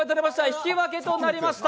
引き分けとなりました。